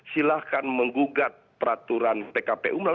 silahkan menggugat peraturan pkpu